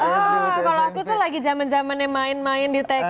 kalau aku tuh lagi zaman zaman yang main main di tk gitu ya